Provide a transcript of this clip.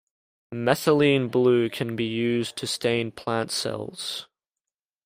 Methylene blue can be used to stain plant cells.